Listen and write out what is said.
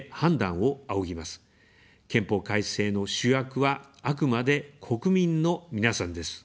憲法改正の主役は、あくまで国民の皆さんです。